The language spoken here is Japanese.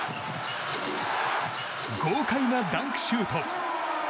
豪快なダンクシュート！